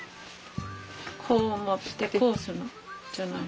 こう持ってこうするの？じゃない。